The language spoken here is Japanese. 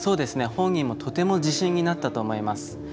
本人もとても自信になったと思います。